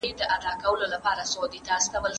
مطالعه د انسان پر شخصیت ژور اثر لري.